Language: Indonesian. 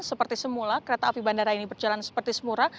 seperti semula kereta api bandara ini berjalan seperti semula